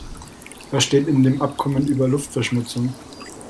Was steht in dem Abkommen über Luftverschmutzung?